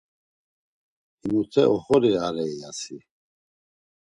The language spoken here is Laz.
Himute oxori arei, ya si.